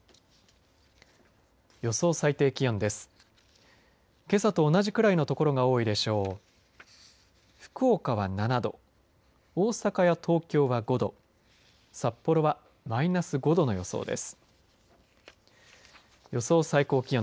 予想最低気温です。